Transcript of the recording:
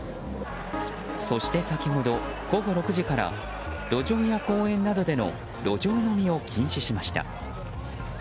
そして先ほど午後６時から路上や公園などでの路上飲みを禁止しました。